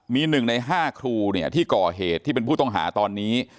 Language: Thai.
มีหนึ่งในห้าครูเนี่ยที่ก่อเหตุที่เป็นผู้ต้องหาตอนนี้